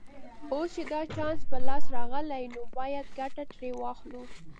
اوس چې دا چانس په لاس راغلی نو باید ګټه ترې واخلو